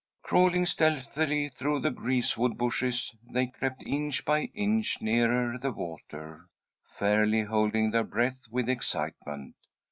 Crawling stealthily through the greasewood bushes, they crept inch by inch nearer the water, fairly holding their breath with excitement.